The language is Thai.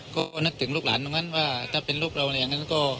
ก็นึกถึงลูกหลานตรงนั้นว่าถ้าเป็นลูกเราอะไรอย่างนั้นก็